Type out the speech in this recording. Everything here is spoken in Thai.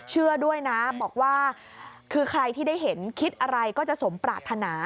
เชื่อด้วยนะบอกว่าคือใครที่ได้เห็นคิดอะไรก็จะสมปรารถนา